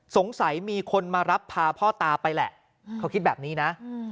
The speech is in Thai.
มีคนมารับพาพ่อตาไปแหละเขาคิดแบบนี้นะ